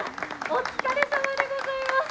お疲れさまでございます。